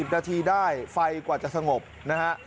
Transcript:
นาทีได้ไฟกว่าจะสงบนะฮะ